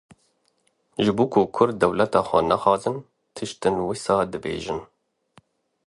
Ji bo ku Kurd dewleta xwe nexwazin tiştên wisa dibêjin.